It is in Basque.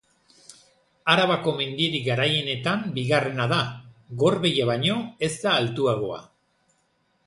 Arabako mendirik garaienetan bigarrena da; Gorbeia baino ez da altuagoa.